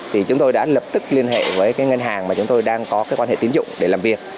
thì chúng tôi đã lập tức liên hệ với cái ngân hàng mà chúng tôi đang có cái quan hệ tín dụng để làm việc